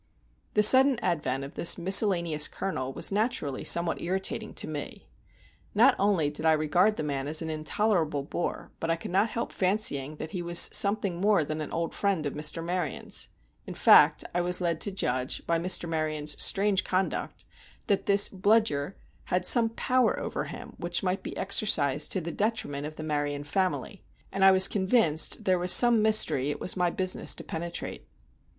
The sudden advent of this miscellaneous colonel was naturally somewhat irritating to me. Not only did I regard the man as an intolerable bore, but I could not help fancying that he was something more than an old friend of Mr. Maryon's; in fact, I was led to judge, by Mr. Maryon's strange conduct, that this Bludyer had some power over him which might be exercised to the detriment of the Maryon family, and I was convinced there was some mystery it was my business to penetrate.